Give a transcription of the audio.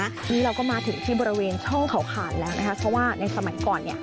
วันนี้เราก็มาถึงที่บริเวณช่องเขาขาดแล้วนะคะเพราะว่าในสมัยก่อนเนี่ย